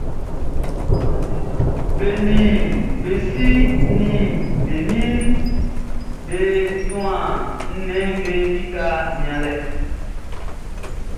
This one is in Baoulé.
Be nin be si nin be nin be suan nnɛnʼm be lika nianlɛ.